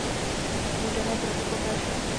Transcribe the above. Budeme proto pokračovat.